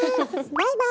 バイバイ。